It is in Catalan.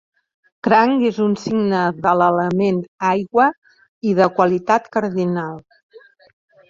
Cranc és un signe de l'element aigua i de qualitat cardinal.